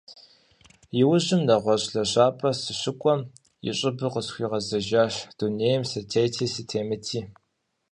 Иужьым, нэгъуэщӀ лэжьапӀэ сыщыкӀуэм, и щӀыб къысхуигъэзэжащ - дунейм сытети сытемыти.